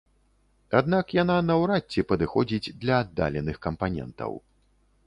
Аднак яна наўрад ці падыходзіць для аддаленых кампанентаў.